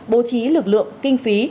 bố trí lực lượng kinh phí